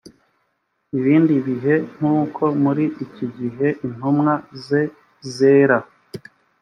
ibindi bihe nk’uko muri iki gihe intumwa ze zera